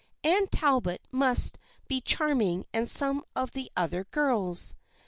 Anne Talbot must be charming and some of the other girls.